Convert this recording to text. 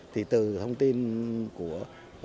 thì từ thông tin của